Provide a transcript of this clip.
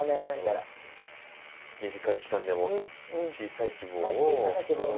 短い期間でも小さい希望を。